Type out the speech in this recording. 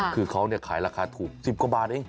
คือเขาขายราคาถูก๑๐กว่าบาทเอง